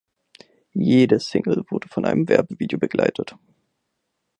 Jede Single wurde von einem Werbevideo begleitet.